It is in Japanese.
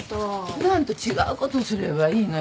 普段と違うことをすればいいのよ。